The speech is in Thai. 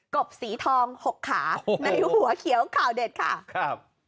บสีทองหกขาในหัวเขียวข่าวเด็ดค่ะครับ